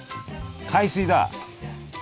海水だ！